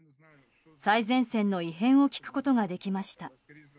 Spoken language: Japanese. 最前線の異変を聞くことができました。